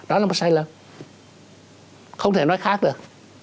đó là một sai lầm không thể nói khác được